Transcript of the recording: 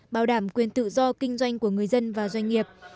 bảo đảm quyền tự do kinh doanh của người dân và doanh nghiệp